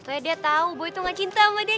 soalnya dia tau boy tuh gak cinta sama dia